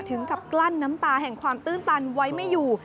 ถึงกับกลั้นน้ำตาแห่งความตื้นตันไว้ไม่อยู่